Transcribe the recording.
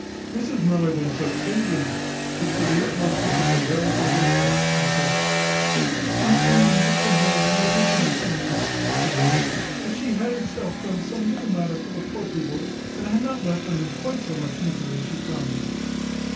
Mrs Miller then took ten guineas, which were the utmost he could prevail with her to accept, and said, "She would find some means of conveying them early the next morning;" adding, "that she had herself done some little matter for the poor people, and had not left them in quite so much misery as she found them."